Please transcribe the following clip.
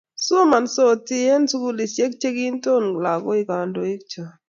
Somansoti eng' sukulisiek che kinton lagoikab kandoik cho